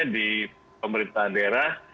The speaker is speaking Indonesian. di pemerintahan daerah